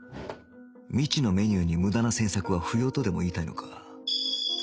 未知のメニューに無駄な詮索は不要とでも言いたいのか？